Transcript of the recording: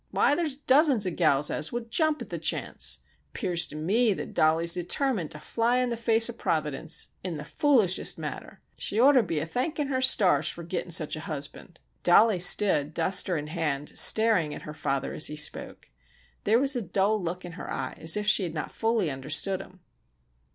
Why, there's dozens of gals as would jump at ther' chance! 'Pears tew me thet Dollie is determined ter fly in ther face o' Providence in ther foolishest manner. She'd orter be a thankin' her stars fer gittin' sech a husband!" Dollie stood, duster in hand, staring at her father as he spoke. There was a dull look in her eye, as if she had not fully understood him.